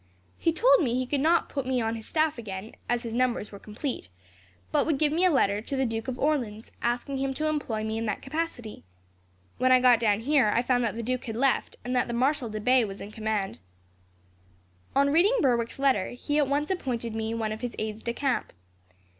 He told me he could not put me on his staff again, as his numbers were complete, but would give me a letter to the Duke of Orleans, asking him to employ me in that capacity. When I got down here, I found that the duke had left, and that the Marshal de Bay was in command. "On reading Berwick's letter, he at once appointed me one of his aides de camp.